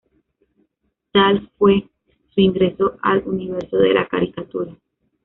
Tal fue su ingreso al universo de la caricatura.